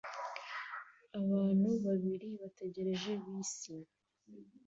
Abantu babiri bategereje bisi